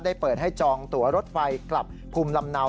เปิดให้จองตัวรถไฟกลับภูมิลำเนา